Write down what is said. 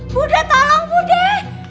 bu deh tolong bu deh